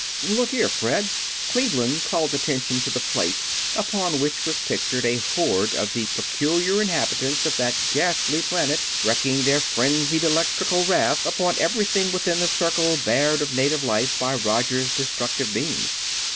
"Look here, Fred." Cleveland called attention to the plate, upon which was pictured a horde of the peculiar inhabitants of that ghastly planet, wreaking their frenzied electrical wrath upon everything within the circle bared of native life by Roger's destructive beams.